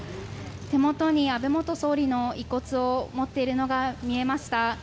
手元に安倍元総理の遺骨を持っているのが見えました。